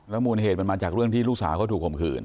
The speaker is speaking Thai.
มูลเหตุมันมาจากเรื่องที่ลูกสาวเขาถูกข่มขืน